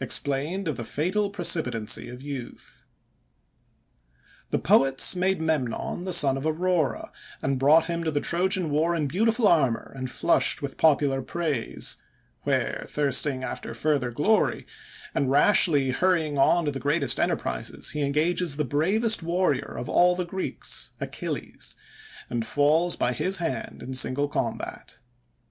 EXPLAINED OF THE FATAL PRECIPITANCY OF YOUTH. The poets made Memnon the son of Aurora, and bring him to the Trojan war in beautiful armor, and flushed with popular praise; where, thirsting after further glory, and rashly hurrying on to the greatest enterprises, he engages the bravest warrior of all the Greeks, Achilles, and falls by his hand in single combat.